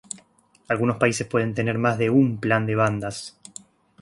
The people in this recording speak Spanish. Algunos países pueden tener más de un plan de bandas.